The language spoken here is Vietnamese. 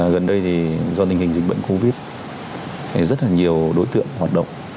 gần đây thì do tình hình dịch bệnh covid rất là nhiều đối tượng hoạt động